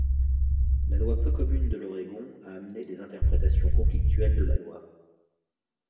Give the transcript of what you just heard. La loi peu commune de l'Oregon a amené des interprétations conflictuelles de la loi.